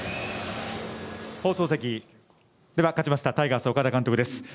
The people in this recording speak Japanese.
放送席、勝ちましたタイガース、岡田監督です。